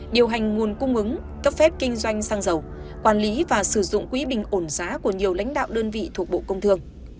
điều hành nguồn cung ứng cấp phép kinh doanh xăng dầu quản lý và sử dụng quỹ bình ổn giá của nhiều lãnh đạo đơn vị thuộc bộ công thương